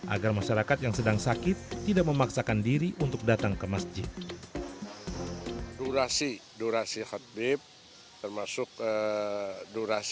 agar masyarakat yang sedang sakit tidak memaksakan diri untuk datang ke masjid